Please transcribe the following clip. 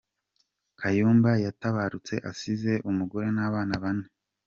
Kayumba yatabarutse asize umugore n’abana bane.